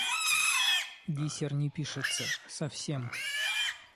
Диссер не пишется, совсем.